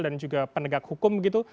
dan juga pendegak hukum begitu